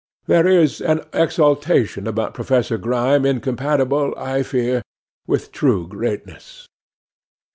There is an exultation about Professor Grime incompatible, I fear, with true greatness.